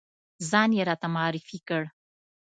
ځان یې راته معرفی کړ.